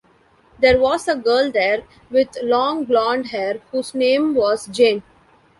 There was a girl there with long blond hair whose name was Jane.